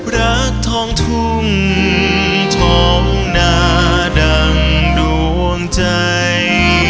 รักทองทุ่งทองนาดังดวงใจ